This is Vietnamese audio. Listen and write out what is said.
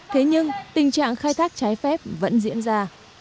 thế nhưng tình trạng khai thác trái phép vẫn diễn ra